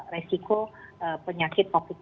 resiko penyakit covid sembilan belas